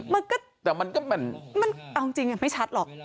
เอาจริงไม่ชัดหรอก